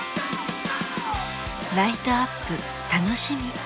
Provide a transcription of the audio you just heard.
ライトアップ楽しみ。